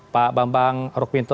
pak bambang rukminto